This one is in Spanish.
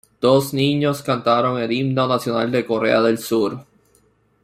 Dos niños cantaron el Himno Nacional de Corea del Sur.